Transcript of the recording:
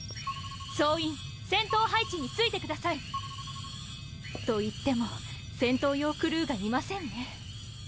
総員戦闘配置についてください！といっても戦闘用クルーがいませんね。